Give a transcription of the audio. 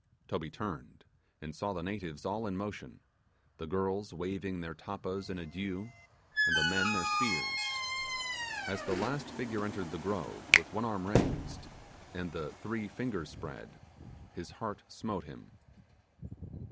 Toby turned, and saw the natives all in motion the girls waving their tappas in adieu, and the men their spears. As the last figure entered the grove with one arm raised, and the three fingers spread, his heart smote him.